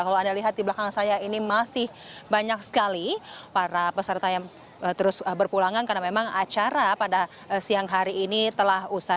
kalau anda lihat di belakang saya ini masih banyak sekali para peserta yang terus berpulangan karena memang acara pada siang hari ini telah usai